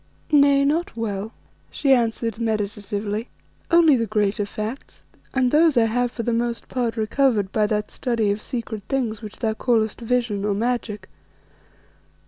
"Nay, not well," she answered, meditatively, "only the greater facts, and those I have for the most part recovered by that study of secret things which thou callest vision or magic.